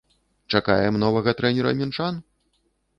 Чакаем новага трэнера мінчан?